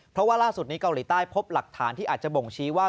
เพราะว่าล่าสุดนี้เกาหลีใต้พบหลักฐานที่อาจจะบ่งชี้ว่า